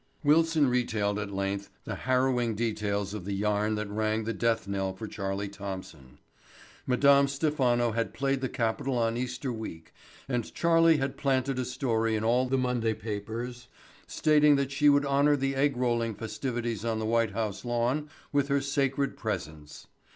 Wilson retailed at length the harrowing details of the yarn that rang the death knell for Charlie Thompson. Madame Stephano had played the capital on Easter week and Charlie had planted a story in all the Monday papers stating that she would honor the egg rolling festivities on the White House lawn with her sacred presence.